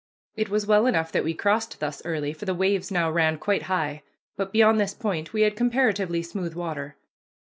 It was well enough that we crossed thus early, for the waves now ran quite high, but beyond this point we had comparatively smooth water.